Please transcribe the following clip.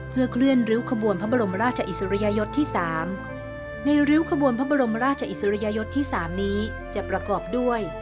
เพื่อเคลื่อนริ้วขบวนพระบรมราชอิสริยยศที่๓ในริ้วขบวนพระบรมราชอิสริยยศที่๓นี้จะประกอบด้วย